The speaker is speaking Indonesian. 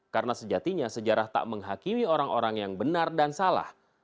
karena sejatinya sejarah tak menghakimi orang orang yang benar dan salah